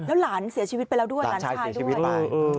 แล้วหลานเสียชีวิตไปแล้วด้วยหลานชายด้วย